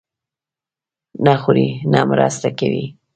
نه خوري، نه مرسته کوي.